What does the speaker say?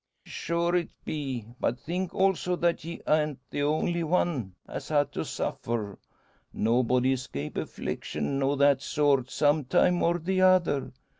"Sure, it be. But think also that ye an't the only one as ha' to suffer. Nobody escape affliction o' that sort, some time or the other.